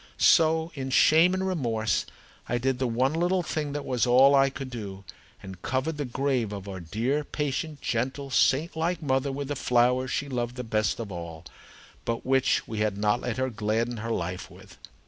So, in shame and remorse, I did the one little thing that was all I could do, and covered the grave of our dear, patient, gentle, saint like mother with the flowers she loved the best of all, but which we had not let her gladden her life with.